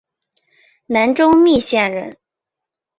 南州密县人。